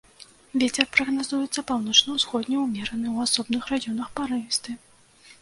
Вецер прагназуецца паўночна-ўсходні ўмераны, у асобных раёнах парывісты.